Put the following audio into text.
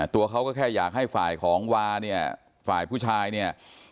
ตัวเขาก็แค่อยากให้ฝ่ายของวาเนี่ยฝ่ายผู้ชายเนี่ย